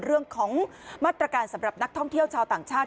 เรื่องของมาตรการสำหรับนักท่องเที่ยวชาวต่างชาติ